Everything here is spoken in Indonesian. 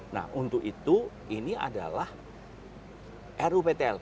nah untuk itu ini adalah ruptl